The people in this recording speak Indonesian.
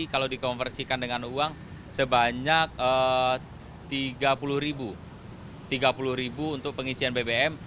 kalau dikomersikan dengan uang sebanyak rp tiga puluh untuk pengisian bbm